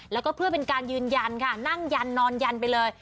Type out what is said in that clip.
แล้วก็เพื่อเป็นการยืนยันค่ะนั่งยันนอนยันไปเลย